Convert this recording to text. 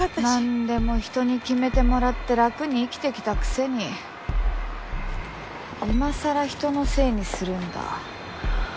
なんでも人に決めてもらって楽に生きてきたくせに今さら人のせいにするんだ？